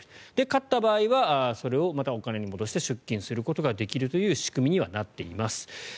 勝った場合はそれをまたお金に戻して出金できるという仕組みにはなっています。